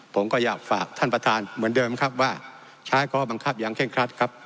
ผมก็อยากฝากท่านประธานเหมือนเดิมครับว่าใช้ข้อบังคับอย่างเคร่งครัดครับ